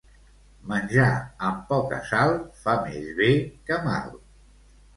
Menjar amb poca sal fa més bé que mal.